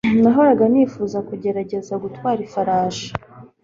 Nahoraga nifuza kugerageza gutwara ifarashi